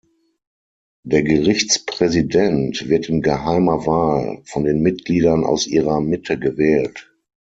Der Gerichtspräsident wird in geheimer Wahl von den Mitgliedern aus ihrer Mitte gewählt.